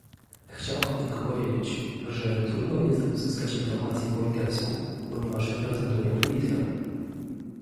Chciałam tylko powiedzieć, że trudno jest uzyskać informacje po litewsku, ponieważ reprezentuję tu Litwę